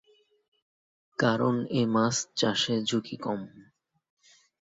কারণ এ মাছ চাষে ঝুঁকি কম।